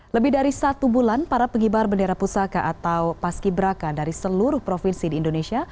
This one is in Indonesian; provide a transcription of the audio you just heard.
lebih dari satu bulan para pengibar bendera pusaka atau paski beraka dari seluruh provinsi di indonesia